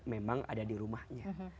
memang ada di rumahnya